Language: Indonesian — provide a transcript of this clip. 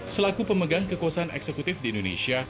selaku pemegang kekuasaan eksekutif di indonesia